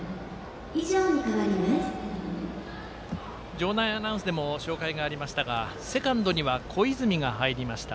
場内アナウンスでも紹介がありましたがセカンドには小泉が入りました。